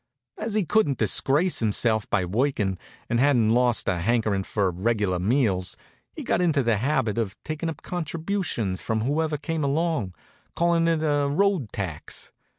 As he couldn't disgrace himself by workin', and hadn't lost the hankerin' for reg'lar meals, he got into the habit of taking up contributions from whoever came along, calling it a road tax.